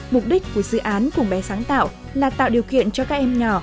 mục đích của dự án của bé sáng tạo là tạo điều kiện cho các em nhỏ